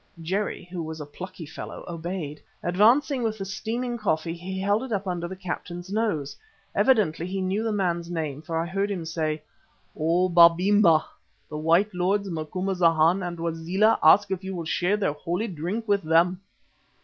Jerry, who was a plucky fellow, obeyed. Advancing with the steaming coffee, he held it under the Captain's nose. Evidently he knew the man's name, for I heard him say: "O Babemba, the white lords, Macumazana and Wazela, ask if you will share their holy drink with them?"